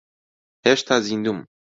هێشتا زیندووم.